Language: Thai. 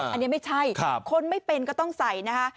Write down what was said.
อันนี้ไม่ใช่คนไม่เป็นก็ต้องใส่นะคะ